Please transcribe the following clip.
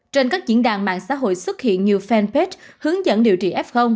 trên các diễn đàn mạng xã hội xuất hiện nhiều fanpage hướng dẫn điều trị f